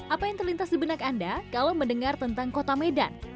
apa yang terlintas di benak anda kalau mendengar tentang kota medan